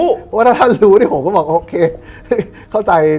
เพราะว่าถ้าท่านรู้ผมก็บอกโอเคเข้าใจ